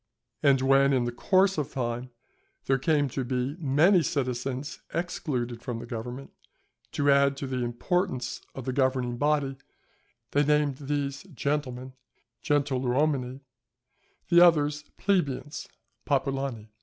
And when in course of time there came to be many citizens excluded from the government, to add to the importance of the governing body, they named these "Gentlemen" (gentiluomini), the others "Plebeians" (popolani).